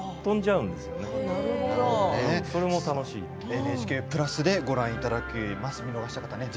ＮＨＫプラスでご覧いただけます。